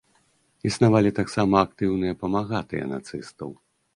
Існавалі таксама актыўныя памагатыя нацыстаў.